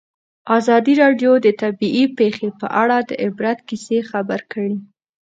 ازادي راډیو د طبیعي پېښې په اړه د عبرت کیسې خبر کړي.